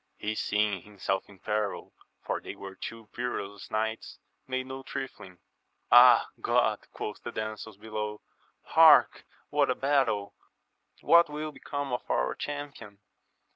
He seeing himself in peril, for they were two perilous knights, made no trifling. Ah God, quoth the damsels below, hark ! what a battle ! what will become of our cham pion